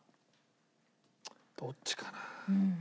どっちかな？